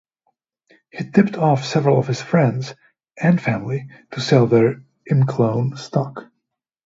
He tipped off several of his friends and family to sell their ImClone stock.